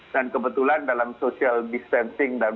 dan kebetulan dalam social distancing dan